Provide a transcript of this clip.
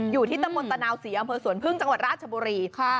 อยู่ที่ตำบลตะนาวศรีอำเภอสวนพึ่งจังหวัดราชบุรี